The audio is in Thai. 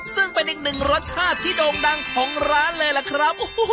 ซึ่งเป็นอีกหนึ่งรสชาติที่โด่งดังของร้านเลยล่ะครับ